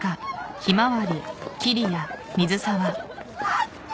あった！